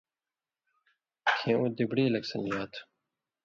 کھیں اُو دِبڑی لک سݩدژا تُھو